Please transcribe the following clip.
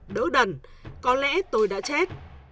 đỡ đần có lẽ tôi đã chết